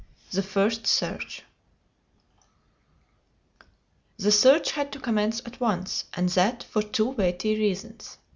THE FIRST SEARCH The search had to commence at once, and that for two weighty reasons.